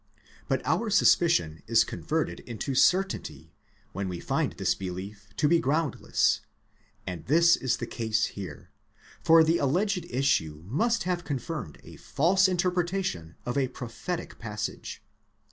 But our suspicion is converted into certainty when we find this belief to be groundless ; and this is the case here, for the alleged issue must have confirmed a false interpretation of a prophetic passage.